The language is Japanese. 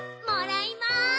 もらいます！